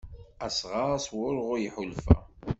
Asɣar s wurɣu iḥulfa.